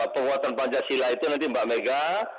penguatan pancasila itu nanti mbak mega